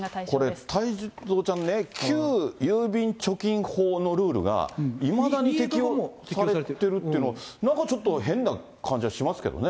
これ、太蔵ちゃんね、旧郵便貯金法のルールが、いまだに適用されてるっていうのは、なんかちょっと変な感じはしますけどね。